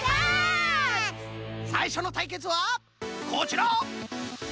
さいしょのたいけつはこちら！